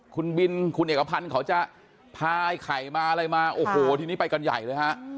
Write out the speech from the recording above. คุณบินคุณเอกพันธ์เขาจะพาไอ้ไข่มาอะไรมาโอ้โหทีนี้ไปกันใหญ่เลยฮะ